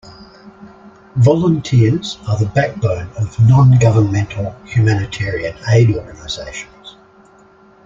Volunteers are the backbone of non-governmental humanitarian aid organizations.